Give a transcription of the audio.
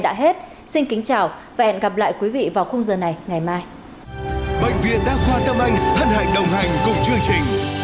đã hết xin kính chào và hẹn gặp lại quý vị vào khung giờ này ngày mai